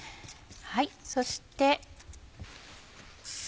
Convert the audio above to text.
そして。